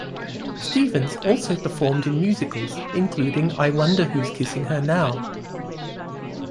Stevens also performed in musicals including I Wonder Who's Kissing Her Now?